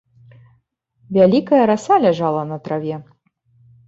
Вялікая раса ляжала на траве.